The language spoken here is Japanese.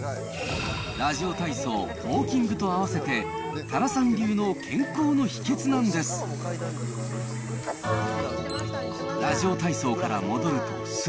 ラジオ体操、ウォーキングと合わせて、多良さん流の健康の秘けつなんです。